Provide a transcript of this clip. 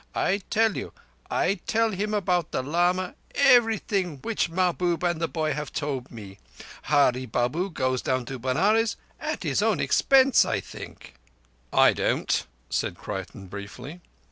I tell you, I tell him about the lama everything which Mahbub and the boy have told me. Hurree Babu goes down to Benares—at his own expense, I think." "I don't," said Creighton briefly.